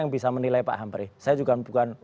yang bisa menilai pak amri saya juga bukan